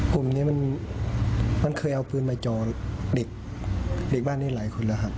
กลุ่มนี้มันเคยเอาปืนมาจอเด็กเด็กบ้านนี้หลายคนแล้วครับ